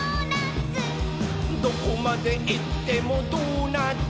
「どこまでいってもドーナツ！」